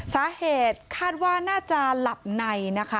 สาเหตุคาดว่าน่าจะหลับในนะคะ